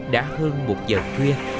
đã hơn một giờ khuya